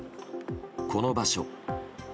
この場所。